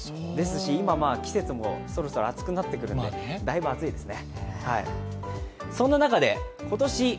今、季節もそろそろ暑くなってくるので、だいぶ暑いですね。